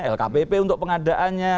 lkpp untuk pengadaannya